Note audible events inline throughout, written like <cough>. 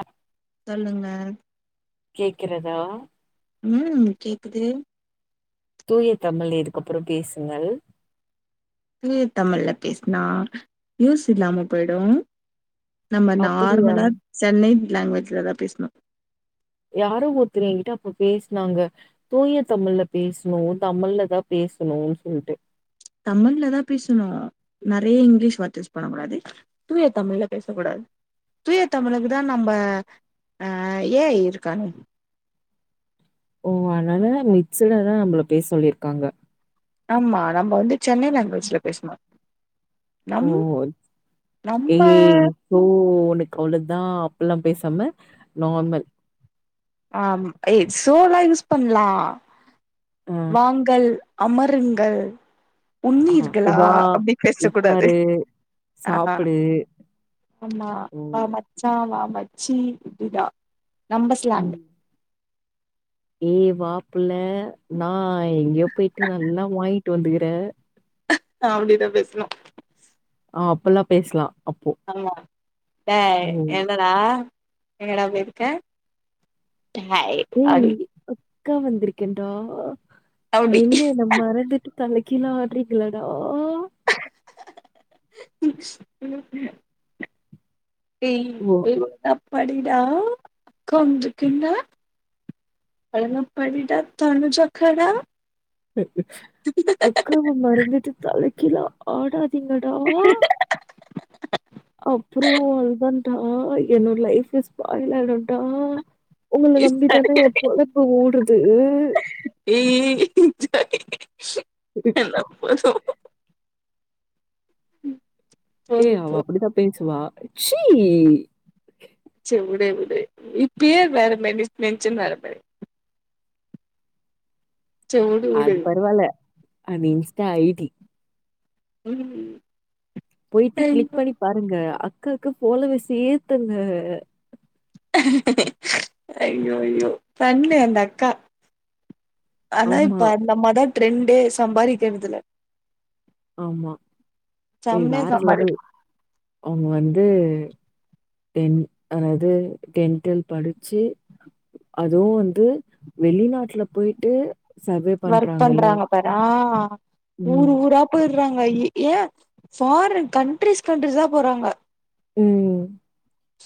ஆஹ் சொல்லுங்க கேக்கிறதா ம் கேக்குது தூய தமிழ்ல இதுக்க அப்றோ பேசுங்கள் தூய தமிழ்ல பேசனா யூஸ் இல்லாம போயிடும் நம்ம அப்படியா நார்மலா சென்னை லாங்வேஜ்லதா பேசுணோ யாரோ ஒருத்தங்கிட்ட அப்ப பேசுனாங்க தூய தமிழ்ல பேசுணு தமிழ்ல தான் பேசணு சொல்டு தமிழ்லதான் பேசணும் நெறைய இங்கிலீஷ் வார்த்த யூஸ் பண்ணக் கூடாது தூய தமிழ்ல பேசக் கூடாது தூய தமிழுக்கு தான் நம்ம ஆஹ் ஏ ஐ இருக்கானே ஓ அனால மிக்சுடாதா நம்பள பேசசொல்லிர்காங்க ஆமா நம்ம வந்து சென்னை லேங்குவேஜ்ல பேசணு ஓ நம் ஏ நம்ம சோ உனக்கவ்ள தான் எல்லாம் பேசாம நார்மல் ஆஹ் த் சோலா யூஸ் பண்லா ஆ வாங்கல் அமருங்கள் ஆ உண்ணீர்களா வா அப்டி பேச கூடாது உக்காரு ஆஹ் சாப்புடு ஆமா வா மச்சா வா மச் ச்சீ விடுடா நம்பஸ்லாண்ட் ம் ஏ வாபுல்ல நா எங்யோபோய்டு நல்லா வாங்ட்டு வந்துக்குற அப்படிதான் பேசுனோம் ஆ அப்பெலாம் பேசுலா ஆமா ஏய் என்னடா எங்கடா போயிருக்க டேய் அடி டேய் அக்கா வந்திருக்கன்றா அப்டி என்னே நா மறந்துட்டு தலைக் கீழாடி கிலடா ஏய் ஓ <unintelligible> படிடா கொஞ்சகூட அங்க படிடா கொஞ்சகூட அக்காவ மறந்துட்டு தலைக் கிலோ ஆடர் திங்கடா அப்புறம் அது டா என்னோட லைஃப்பே ஸ்பாயில் ஆயிடுண்டா உங்கள நம்பிதான என் பொழப்பு ஓடுது என்னப்பா சோகம் உம் ஏ அவ அப்படித்தான் பேசுவா ச்சீ செரி விடு விடு இப்பே வேரமெரி நெச்சன்ன வேற பாரு உடு அது உடு பரவால அது இன்ஸ்டா ஐடி ம் போயிட்டு கிளிக் ஐயோ பண்ணி பாருங்க அக்காகு ஃபாலோவர்ஸ ஏத்தூங்க ஐயோ அய்யோ பண்ணு அந்த அக்கா ஆன ஆமா இப்பா அந்தமாத ட்ரெண்டு சம்பாதிக்கறதுல ஆமா இ செம்மையா வேற சம்பாரி லெவல் அவுங்க வந்து டென் அதாவது டென்டெல் படிச்சி அதுவும் வந்து வெளிநாட்டுல போயிட்டு சர்வே ஒர்க் பண்றாங்கல்ல. பண்றாங்க பாரு ஆ ம். ஊரு ஊரா போயிரு குரோவ் மாய் ஏன் ஃபாரின் கண்ட்ரிஸ் கண்ட்ரிஸ் தான் போறாங்க ம்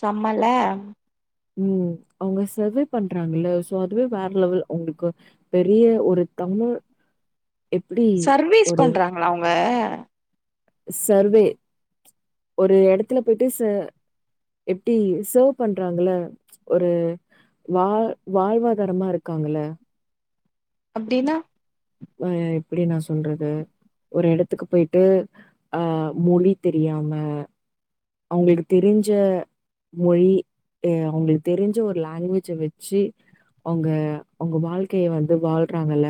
செம்மல ம் அவுங்க செர்வே பண்றாங்கல்ல சோ அதுவே வேற லெவல் அவுங்களுக்கு பெரிய ஒரு தமிழ் எப்படி சர்வீஸ் ஒரு பண்றாங்களா அவுங்க சர்வே ஒரு இடத்துல போயிட்டு எப்டி சர்வ் பண்றாங்கள ஒரு வாழ் வாழ்வாதாரமா இருக்காங்கள அப்டின்னா ஆஹ் எப்டி நான் சொல்றது ஒரு இடத்துக்கு போயிட்டு மொழி தெரியாம அவங்களுக்கு தெரிஞ்ச மொழி அஹ் அவங்களுக்கு தெரிஞ்ச ஒரு லாங்குவேஜ வச்சு அவுங்க அவுங்க வாழ்க்கைய வந்து வாழ்றாங்கல்ல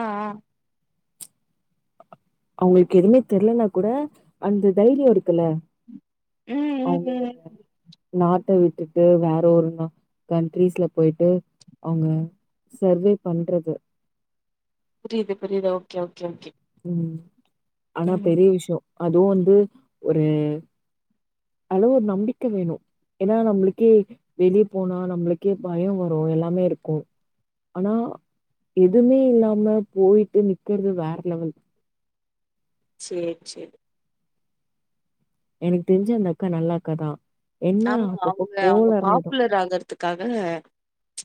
ஆஹ் ஆஹ் அவுங்களுக்கு எதுவுமே தெரிலனா கூட அந்த தைரியம் இருக்குல்ல ம் ம் அவுங்க ம் நாட்டை விட் விட்டு வேற ஒரு கண்ட்ரிஸ்ல போயிட்டு அவுங்க சர்வே பண்றது புரியுது புரியுது ஓகே ஓகே ஓகே ம் ஆனா ம் பெரிய விஷயம் அதுவும் வந்து ஒரு அளவு ஒரு நம்பிக்கை வேணும் ஏன்னா நம்மளுக்கே வெளிய போனா நம்மளுக்கே பயம் வரும் எல்லாமே இருக்கும் ஆனா எதுவுமே இல்லாம போயிட்டு நிக்கிறது வேற லெவல் சேரி சேரி எனக்கு தெரிஞ்ச அந்த அக்கா நல்ல அக்காதான் ஆமா அவுங்க அவுங்க பாப்புலர் ஆகுறதுக்காக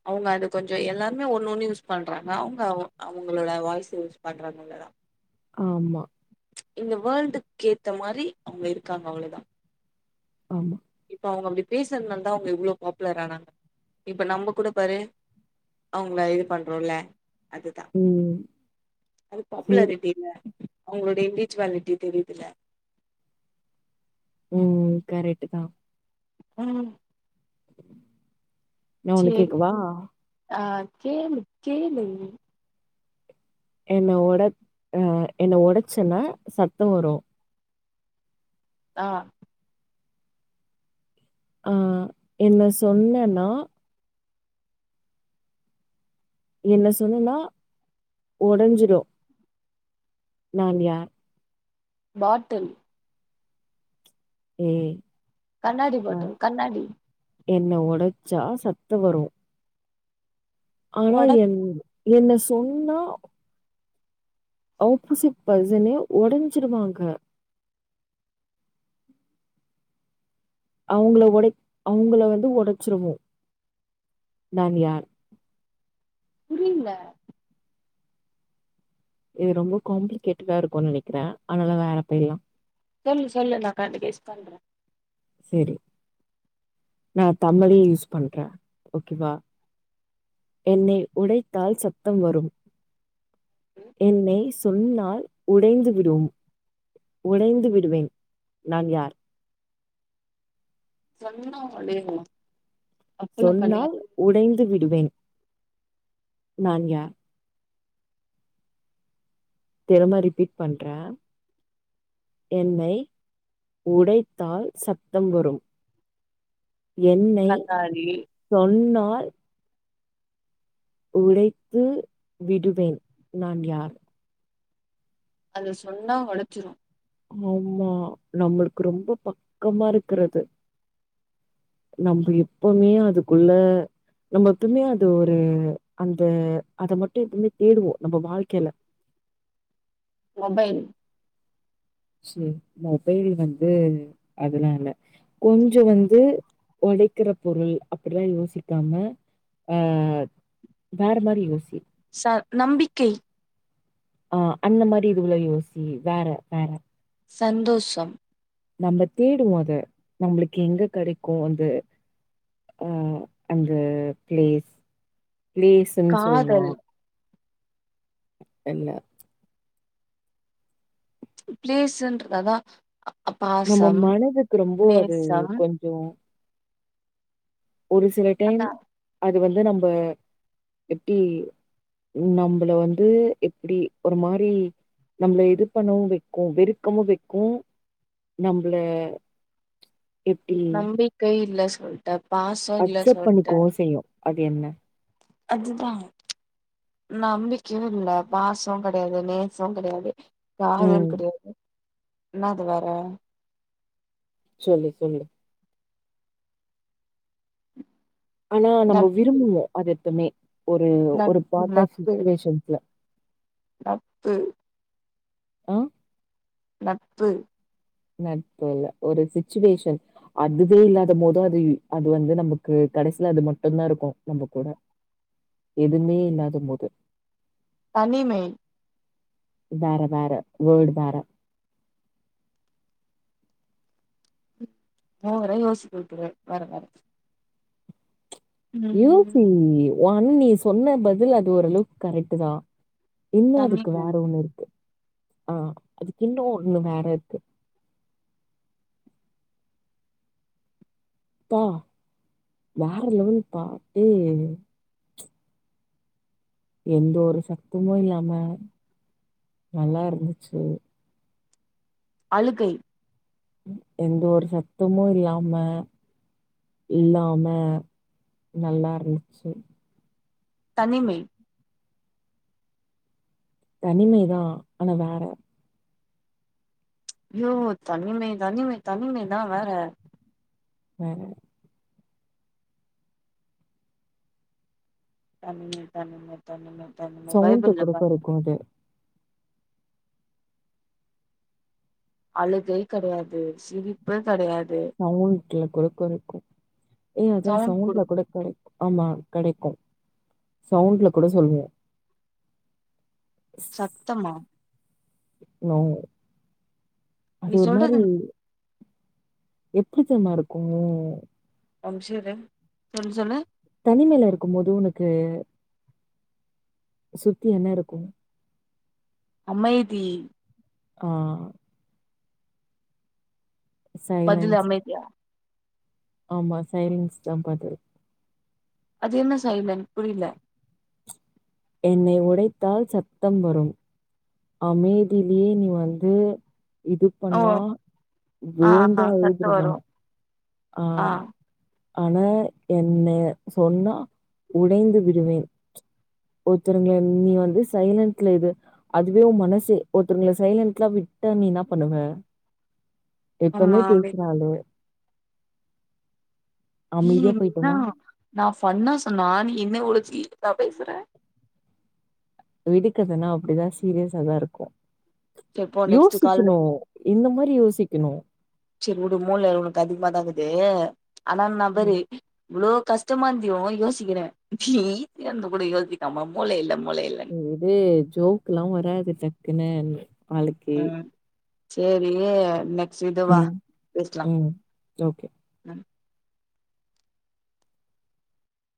அவுங்க அது கொஞ்சம் எல்லாருமே ஒண்ணு ஒண்ணு யூஸ் பண்றாங்க அவுங்க அவுங்களோட வாய்ஸ்சு யூஸ் பண்றாங்க அவ்ளோதான் ஆமா இந்த வேர்ல்டுக்கு கேத்த மாரி அவூங்க இருக்காங்க அவ்ளோதான் ஆமா அவுங்க அப்படி பேசுனால தான் அவுங்க இவ்ளோ பாப்புலர் ஆனாங்க இப்ப நம்ம கூட பாரு அவுங்கள இது பண்றோம்ல அதுதான் ம். அது சரி. பாப்புலாரிட்டில அவுங்களுடைய இன்ரிஜுவாலிட்டி தெரிதுல ம் கரெடு தான் உம் நா ஒண்ணு கேக்கவா ஆ கேளு கேளு என்ன ஒட அ என்ன ஒடச்சன்னா சத்த வரூ ஆ ஆ என்ன சொன்னனா என்ன சொன்னன்னா ஒடஞ்சுரு நான் யார் பாட்டில் உம் கண்ணாடி பாட்டில் கண்ணாடி என்ன ஒடச்சா சத்த வரூ ஆனா ஒனக் என் என்ன சொன்னா ஆப்போசிட் பர்சனே ஒடஞ்சுருவாங்க அவுங்கள ஒடை அவுங்கள வந்து ஒடச்சுருவோ நான் யார் புரில இது ரொம்ப காம்ப்ளிகேட்டடா இருக்குன் நெனக்கிறே அனால வேறப் பயர்லா சொல்லு சொல்லு நா கண்டினியுஸ் பண்றே சேரி நா‌ தமிழே யூஸ் பண்றே ஓகேவா என்னை உடைத்தால் சத்தம் வரும் என்னை சொன்னால் உடைந்து விடும் உடைந்து விடுவேன் நான் யார் சொன்னவுங்களேங்மா சொன்னால் உடைந்து விடுவேன் நான் யார் திரும்ம ரிபீட் பண்ற என்னை உடைத்தால் சத்தம் வரும் என்னை கண்ணாடி சொன்னால் உடைத்து விடுவேன் நான் யார் அது சொன்னா ஒடச்சிரு ஆமா நம்மளுக்கு ரொம்ப பக்கமாருக்குறது நம்ப எப்பமே அதுக்குள்ள நம்ம எப்பமே அது ஒரு அந்த அத மட்டு‌ எப்பவ்மே தேடுவோ நம்ம வாழ்க்கைல மொபைல் சே மொபைல் வந்து அதெல்லா இல்ல கொஞ்செ வந்து ஒடைக்கிற பொருள் அப்டில்லா யோசிக்காம ஆ வேற மாரி யோசி ச நம்பிக்கை ஆ அந்த மாரி இதுவுள யோசி வேற வேற சந்தோஷம் நம்ப தேடுவோ அத நம்பளுக்கு எங்க கெடைக்கு அது ஆ அந்த பிளேஸ் பிளேசுன் சொல்லா காதல் என்ன பிளேஸுன்றது அதா அ நம்ம பாசம் மனதுக்கு ரொம்ப அது நேசம் கொஞ்சொ ஒரு சில டைம் அதா அ து வந்து நம்ப எப்டி நம்பள வந்து எப்புடி ஒரு மாரி நம்ள இது பண்ணவு வக்கு வெறுக்கமு வெக்கு நம்பள எப்டி நம்பிக்கை இல்ல சரி பாசம் இல்ல அக்செப்ட் பண்ணிக்கவு சொல்டேன் செய்யு அது என்ன அதுதான் நம்பிக்கையும் இல்ல பாசம் கிடையாது நேசும் கிடையாது ம் காதல் கிடையாது இன்னது வற சொல்லு சொல்லு ஆனா நம்ம நட்பு விரும்புவோம் அது எப்பமே ஒரு ஒரு நட்பு பார்ட் டா சிச்சுவேஷ்சன்சுல பத்து ஆ நட்பு நட்பு இல்ல ஒரு சிச்சுவேஷன் அதுவே இல்லாத போதும் அது அது வந்து நமக்கு கடைசில அது மட்டம்தான் இருக்கும் நம்ப கூட எதுவுமே இல்லாத போது தனிமை வேற வேற வர்ட் வேற மூவர யோசிக்க வைக்கிற வர வர யூசி விலியோ ஒன்னு நீ சொன்ன பதில் அது ஓரளவுக்கு கரெக்ட் தான் இன்னும் அதுக்கு தனிமை வேற ஒண்ணு இருக்கு ஆஹ் அதுக்கு இன்னோ ஒண்ணு வேற இருக்கு பா வேற லெவல்பா ஏ எந்த ஒரு சத்தமும் இல்லாம நல்லா இருந்துச்சு அழுகை எந்த ஒரு சத்தமும் இல்லாம இல்லாம நல்லா இருந்துச்சு தனிமை தனிமைதான் ஆனா வேற யோ தனிமை தனிமை தனிமைதான் வேற வேற தனிமை தனிமை தனிமை தனிமை சவுண்டு பைபிள்ல பாரு கொடுக்குரகும் அது அழுகை கிடையாது சிரிப்பு கிடையாது சவுண்ட்ல கொடுக்கரக்கும் ஏய் அதான் சவுண்ட் குடு சவுண்ட்ல கொடுக்கரக் ஆமா கிடைக்கும் சவுண்ல கூட சொல்லுவோம் சத்தமா நோ அது நீ ஒரு மாரி சொல்றது எப்டி தெரிமா இருக்கும் ஒரு நிமிஷம் இரு சொல்லு சொல்லு தனிமையில இருக்கும் போது உனக்கு சுத்தி என்ன இருக்கும் அமைதி ஆ பதில் சைலன்ஸ். அமைதியா ஆமா சைலன்ஸ் தான் பாத்து அது என்ன சைலன் புரில என்னை உடைத்தால் சத்தம் வரும் அமைதியிலே நீ வந்து இது ஓ பண்ணா ஆ ஆ விழுந்தா சத்தோ வரு எழுதுருவேன் ஆ ஆஹ் ஆனா என்னை சொன்னா உடைந்து விடுவேன் ஒருத்தருங்க நீ வந்து சைலன்ட்ல இரு அதுவே ஓ மனசு ஒருத்தருங்களை சைலன்ட்லாம் விட்ட நீ என்ன பண்ணுவ எப்பமே ஆமா அமைதி பேசுறாலு அமைதியா என்ன போயிட்டோம்னா, நான் பண்ண சொன்னா நீ என்ன உழச்சு இதான் பேசுற விடுகதைனி அப்டிதான் சீரியஸா தான் இருக்கும் செரி போ நெக்ஸ்ட் கால் யோசிக்கணும் இந்த மாரி யோசிக்கணும் சரி உடு மூள உனக்கு அதிகமாதான்குது ஆனா நபரு இவ்ளோ கஷ்டமா இருவம் யோசிக்கிறேன் நீ இருந்து கூட யோசிக்காம மூளை இல்லாம இது ஜோக் எல்லாம் வராது டக்குன்னு ஆளுக்கு ம் சேரி நெக் உம் உம் ஓகே ம்